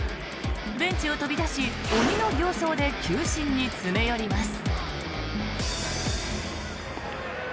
ベンチを飛び出し鬼の形相で球審に詰め寄ります。